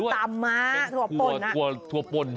ถั่วตามมาถั่วปล่น